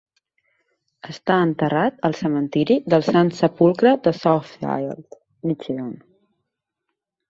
Està enterrat al cementiri del Sant Sepulcre de Southfield, Michigan.